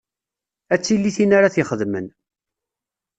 Ad tili tin ara t-ixedmen.